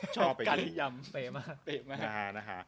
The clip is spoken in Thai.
ชอบการยำ